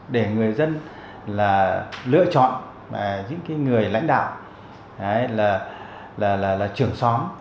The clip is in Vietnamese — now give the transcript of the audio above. để người dân là lựa chọn những người lãnh đạo là trưởng xóm